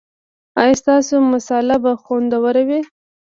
ایا ستاسو مصاله به خوندوره وي؟